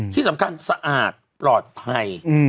ที่สำคัญสะอาดปลอดภัย